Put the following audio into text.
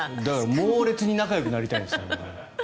猛烈に仲よくなりたいんでしょうね。